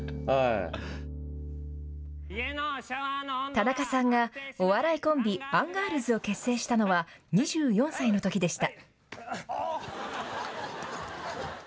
田中さんがお笑いコンビ、アンガールズを結成したのは２４歳のときでした。